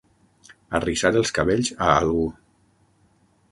Arrissar els cabells a algú.